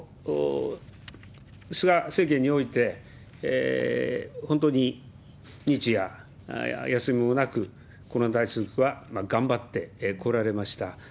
菅政権において、本当に日夜休みもなく、コロナ対策は頑張ってこられました。